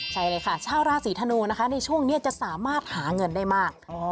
ใช่เลยค่ะชาวราศีธนูนะคะในช่วงนี้จะสามารถหาเงินได้มาก